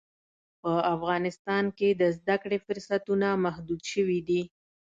په افغانستان کې د زده کړې فرصتونه محدود شوي دي.